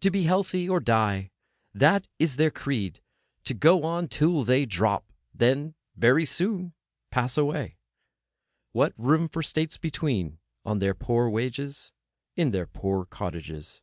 To be healthy, or—die! That is their creed. To go on till they drop —then very soon pass away! What room for states between—on their poor wage, in their poor cottages?